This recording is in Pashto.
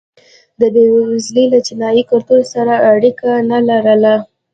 دا بېوزلي له چینايي کلتور سره اړیکه نه لرله.